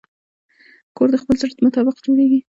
کور د خپل زړه مطابق جوړېږي.